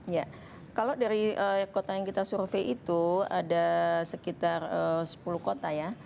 ya kalau dari kota yang kita survei itu ada sekitar sepuluh kota ya